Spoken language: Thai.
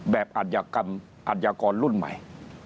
แบบอัธยกรรมอัธยกรรมรุ่นใหม่